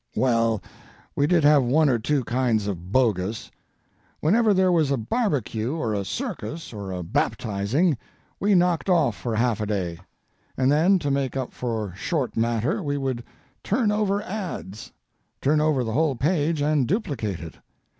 Well, we did have one or two kinds of "bogus." Whenever there was a barbecue, or a circus, or a baptizing, we knocked off for half a day, and then to make up for short matter we would "turn over ads"—turn over the whole page and duplicate it.